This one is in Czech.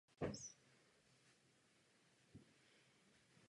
Pouze galaxie s rozsáhlými příčkami mají vnitřní disky uvnitř spirály.